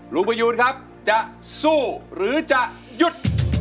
ประยูนครับจะสู้หรือจะหยุด